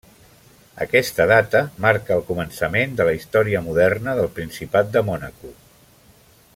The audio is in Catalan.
Aquesta data marca el començament de la història moderna del Principat de Mònaco.